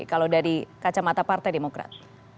kalau dari kacamata partai demokrat